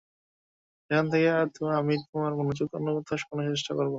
এখন থেকে আমি তোমার মনযোগ অন্যকোথাও সরানোর চেষ্টা করব।